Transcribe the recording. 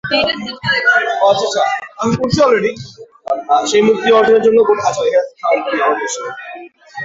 সেই মুক্তি অর্জনের জন্য গোটা দেশবাসীকে এখন ঐক্যবদ্ধভাবে কাজ করতে হবে।